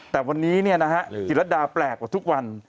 แต่วันนี้จิตรดาแปลกกว่าทุกวัน